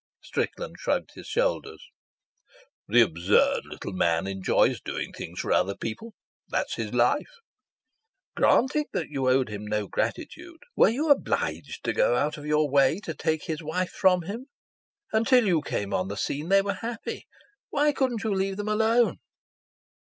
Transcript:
Strickland shrugged his shoulders. "The absurd little man enjoys doing things for other people. That's his life." "Granting that you owed him no gratitude, were you obliged to go out of your way to take his wife from him? Until you came on the scene they were happy. Why couldn't you leave them alone?"